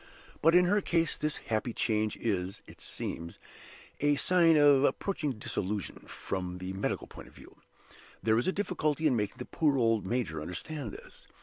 But in her case this happy change is, it seems, a sign of approaching dissolution, from the medical point of view. There is a difficulty in making the poor old, major understand this.